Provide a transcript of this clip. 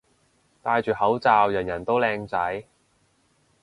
戴住口罩人人都靚仔